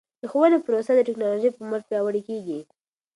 د ښوونې پروسه د ټکنالوژۍ په مټ پیاوړې کیږي.